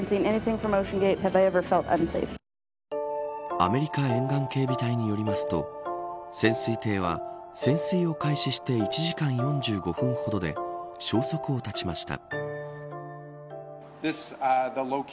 アメリカ沿岸警備隊によりますと潜水艇は、潜水を開始して１時間４５分ほどで消息を絶ちました。